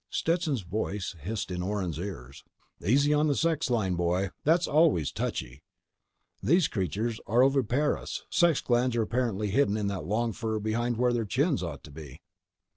Stetson's voice hissed in Orne's ears: _"Easy on the sex line, boy. That's always touchy. These creatures are oviparous. Sex glands are apparently hidden in that long fur behind where their chins ought to be."